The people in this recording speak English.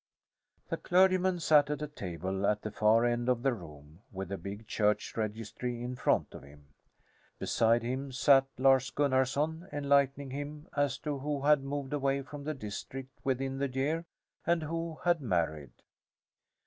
The clergyman sat at a table at the far end of the room, with the big church registry in front of him. Beside him sat Lars Gunnarson, enlightening him as to who had moved away from the district within the year, and who had married.